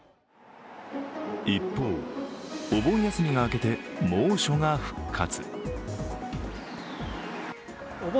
一方、お盆休みが明けて猛暑が復活。